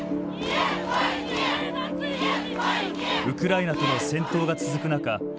ウクライナとの戦闘が続く中